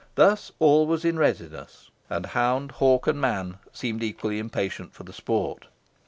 Thus all was in readiness, and hound, hawk, and man seemed equally impatient for the sport.